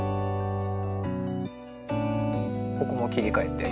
ここも切り替えて。